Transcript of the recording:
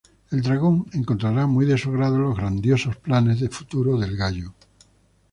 El Dragón encontrará muy de su agrado los grandiosos planes de futuro del Gallo.